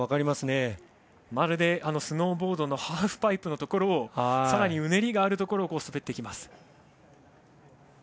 まるでスノーボードのハーフパイプのところさらにうねりがあるところを滑っていきます。